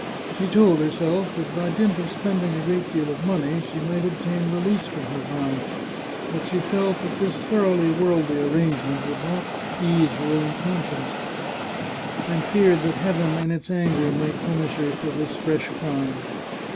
She told herself that by dint of spending a great deal of money she might obtain release from her vow, but she felt that this thoroughly worldly arrangement would not ease her own conscience, and feared that Heaven, in its anger, might punish her for this fresh crime.